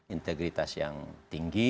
integritas yang tinggi